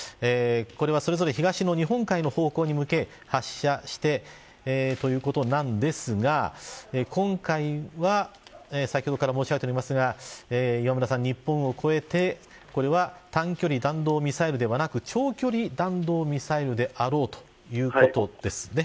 これは、それぞれ東の日本海の方向に向け発射してということなんですが今回は、先ほどから申し上げておりますが磐村さん、日本を越えてこれは短距離弾道ミサイルではなく長距離弾道ミサイルであろうということですね。